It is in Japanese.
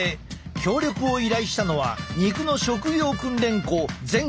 協力を依頼したのは肉の職業訓練校全国食肉学校。